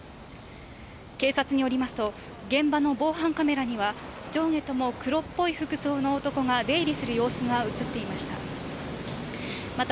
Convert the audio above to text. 警察によりますと現場の防犯カメラには、上下とも黒っぽい服装の男が出入りする様子が映っていました。